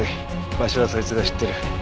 場所はそいつが知ってる。